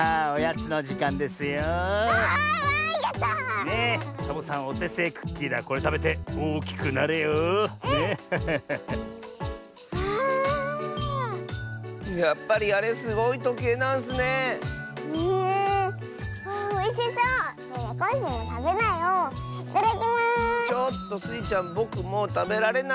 ちょっとスイちゃんぼくもうたべられないッスよ！